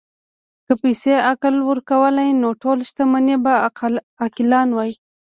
که پیسې عقل ورکولی، نو ټول شتمن به عاقلان وای.